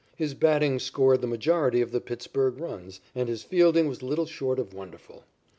His batting scored the majority of the Pittsburg runs, and his fielding was little short of wonderful.